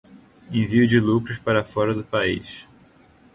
envio de lucros para fora do país